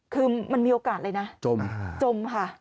คือมันมีโอกาสเลยนะจมค่ะ